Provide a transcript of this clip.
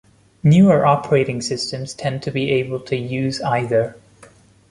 Newer operating systems tend to be able to use either.